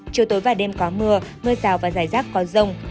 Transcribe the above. chiều tối và đêm có mưa mưa rào và rải rác có rông